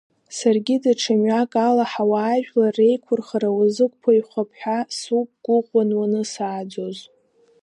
Саргьы даҽа мҩак ала ҳауаажәлар реиқәырхара уазықәԥаҩхап ҳәа суқәгәыӷуан уанысааӡоз.